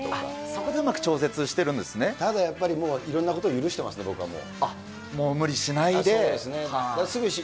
そこでうまく調節してるんでただやっぱり、いろんなこともう無理しないで。